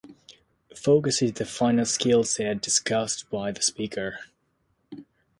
Focus is the final skill set discussed by the speaker.